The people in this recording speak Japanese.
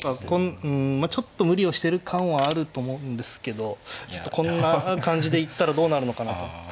うんちょっと無理をしてる感はあると思うんですけどちょっとこんな感じでいったらどうなるのかなと。